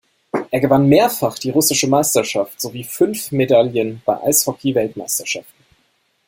Er gewann mehrfach die russische Meisterschaft sowie fünf Medaillen bei Eishockey-Weltmeisterschaften.